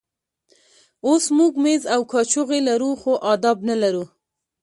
اوس موږ مېز او کاچوغې لرو خو آداب نه لرو.